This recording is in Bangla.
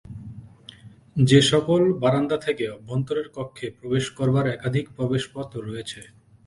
যে সকল বারান্দা থেকে অভ্যন্তরের কক্ষে প্রবেশ করবার একাধিক প্রবেশপথ রয়েছে।